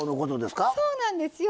そうなんですよ。